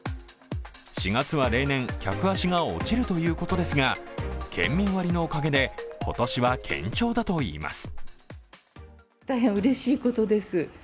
４月は例年客足が落ちるということですが、県民割のおかげで今年は堅調だといいます。